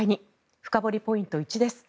深掘りポイント１です。